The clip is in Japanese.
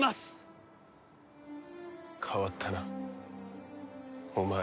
変わったなお前。